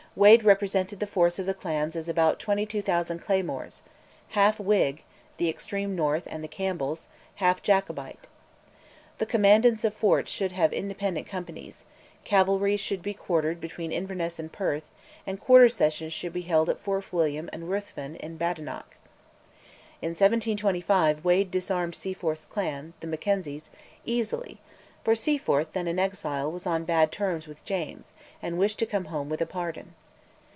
Wade represented the force of the clans as about 22,000 claymores, half Whig (the extreme north and the Campbells), half Jacobite. The commandants of forts should have independent companies: cavalry should be quartered between Inverness and Perth, and Quarter Sessions should be held at Fort William and Ruthven in Badenoch. In 1725 Wade disarmed Seaforth's clan, the Mackenzies, easily, for Seaforth, then in exile, was on bad terms with James, and wished to come home with a pardon.